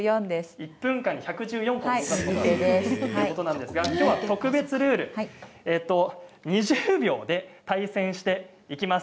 １分間に１１４ということできょうは特別ルール２０秒で対戦していきます。